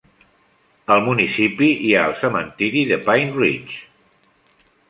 Al municipi hi ha el cementiri de Pine Ridge.